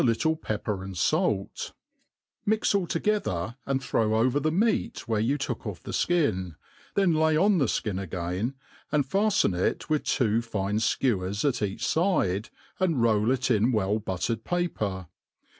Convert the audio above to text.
little pepper and fait; mix all together, and throw over the meat where you took off the fkin, then lay on the ikin again,, and faften it with two iioe (kcwers at each fide, and roll it ia well buttered paper.